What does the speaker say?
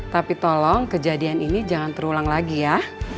tapi tolong kejadian ini jangan terulang lagi ya